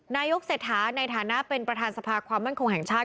นายกเศรษฐาในฐานะเป็นประธานสภาความมั่นคงแห่งชาติ